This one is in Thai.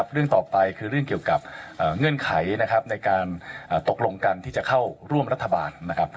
เรื่องต่อไปคือเรื่องเกี่ยวกับเงื่อนไขนะครับในการตกลงกันที่จะเข้าร่วมรัฐบาลนะครับ